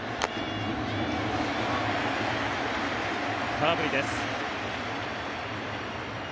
空振りです。